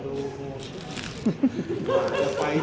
ฮอร์โมนถูกต้องไหม